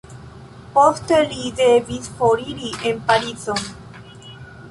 Poste li devis foriri en Parizon.